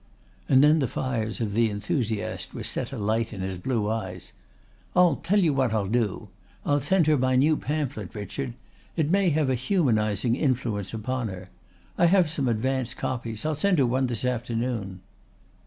And then the fires of the enthusiast were set alight in his blue eyes. "I'll tell you what I'll do: I'll send her my new pamphlet, Richard. It may have a humanising influence upon her. I have some advance copies. I'll send her one this afternoon."